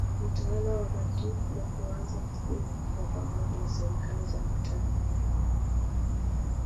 Utawala wa Machifu na kuanza Mfumo wa pamoja wa Serikali za Mitaa